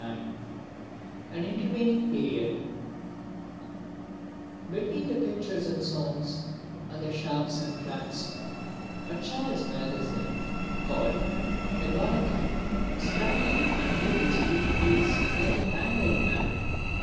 (39) An Intervening Period Between the Pictures and Songs and the Sharps and Flats, a child's magazine called the Balaka sprang up and ended its brief days like an annual plant.